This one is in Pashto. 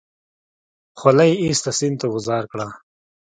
خولۍ يې ايسته سيند ته گوزار کړه.